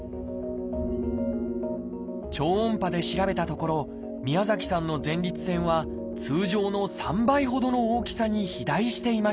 超音波で調べたところ宮崎さんの前立腺は通常の３倍ほどの大きさに肥大していました。